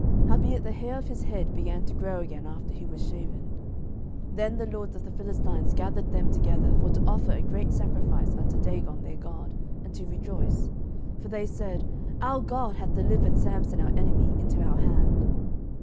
07:016:022 Howbeit the hair of his head began to grow again after he was shaven. 07:016:023 Then the lords of the Philistines gathered them together for to offer a great sacrifice unto Dagon their god, and to rejoice: for they said, Our god hath delivered Samson our enemy into our hand.